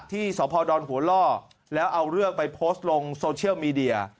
ที่สพดหัวล่อแล้วเอาเรื่องไปโพสต์ลงโซเชียลมีเดีย